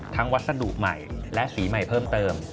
วัสดุใหม่และสีใหม่เพิ่มเติม